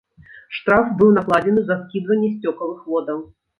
Штраф быў накладзены за скідванне сцёкавых водаў.